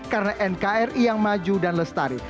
karena nkri yang maju dan lestari